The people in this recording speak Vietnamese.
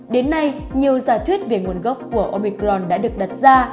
đến nay nhiều giả thuyết về nguồn gốc của obicron đã được đặt ra